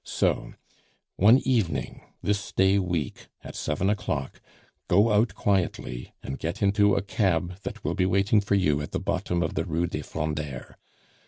So, one evening this day week at seven o'clock, go out quietly and get into a cab that will be waiting for you at the bottom of the Rue des Frondeurs.